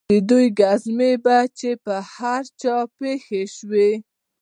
د دوى گزمې به چې پر هر چا پېښې سوې.